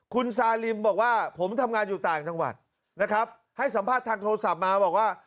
คุณซาริมบอกว่าผมทำงานอยู่ต่างจังหวัดนะครับให้สัมภาษณ์ทางโทรศัพท์มาบอกว่า